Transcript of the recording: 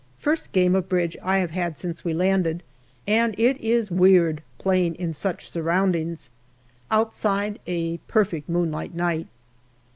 First game of bridge I have had since we landed, and it is weird playing in such surroundings. Outside, a perfect moonlight night.